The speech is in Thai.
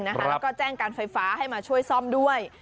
แล้วก็แจ้งการไฟฟ้าให้มาช่วยซ่อมด้วย